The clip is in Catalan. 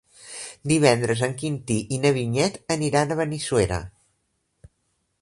Divendres en Quintí i na Vinyet aniran a Benissuera.